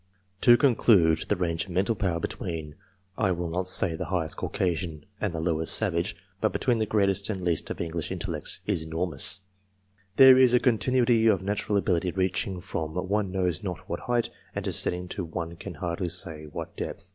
<yTo conclude, the range of mental power between I will not say the highest Caucasian and the lowest savage but between the greatest and least of English intellects, is enormous/> There is a continuity of natural ability reaching from one knows not what height, and descending to one can hardly say what depth.